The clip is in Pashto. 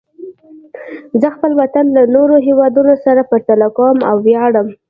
زه خپل وطن له نورو هېوادونو سره پرتله کوم او ویاړم.